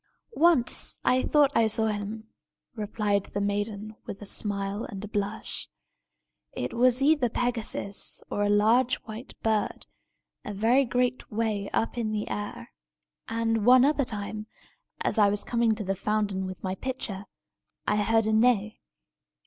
"Once I thought I saw him," replied the maiden, with a smile and a blush. "It was either Pegasus or a large white bird, a very great way up in the air. And one other time, as I was coming to the fountain with my pitcher, I heard a neigh.